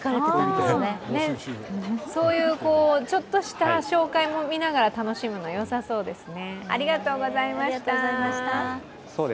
そういうちょっとした紹介も見ながら楽しむのも良さそうですね。